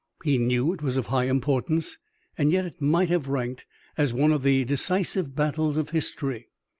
He knew it was of high importance, and yet it might have ranked as one of the decisive battles of history.